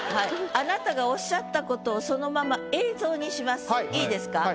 あなたがおっしゃったことをそのままいいですか？